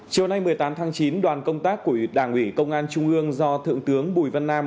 chiều nay một mươi tám tháng chín đoàn công tác của đảng ủy công an trung ương do thượng tướng bùi văn nam